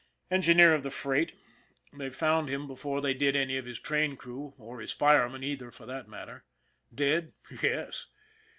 Engineer of the freight. They found him before they did any of his train crew, or his fireman either, for that matter. Dead? Yes.